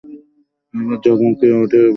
এরপর ঝকমকিয়ে উঠেব বিদ্যুতশিখা।